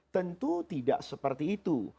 tentu tidak seperti itu